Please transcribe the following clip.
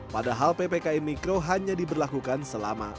padahal ppkm mikro hanya diberlakukan selama empat belas hari